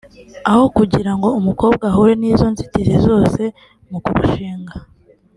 “aho kugira ngo umukobwa ahure n’izo nzitizi zose mu kurushinga